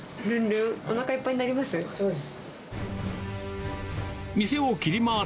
おなかいっぱいになります？